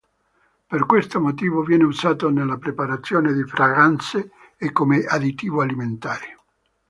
Per questo motivo viene usato nella preparazione di fragranze e come additivo alimentare.